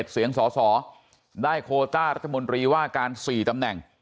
เสียงสสได้โคต้ารัฐมนตรีว่าการ๔ตำแหน่ง